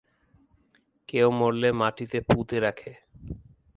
কেউ মরলে মাটিতে পুতে রাখে।